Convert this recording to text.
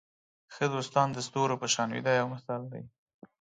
ښه دوستان د ستورو په شان وي دا یو مثال دی.